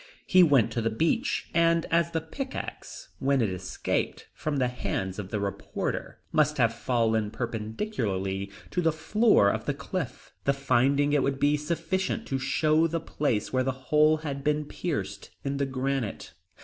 He went to the beach, and as the pickaxe when it escaped from the hands of the reporter must have fallen perpendicularly to the foot of the cliff, the finding it would be sufficient to show the place where the hole had been pierced in the granite.